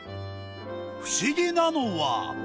不思議なのは。